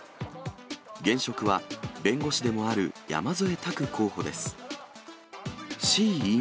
現職は弁護士でもある山添拓候補です。